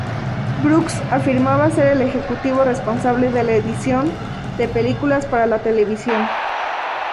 Brooks afirmaba ser el ejecutivo responsable de la edición de películas para la televisión.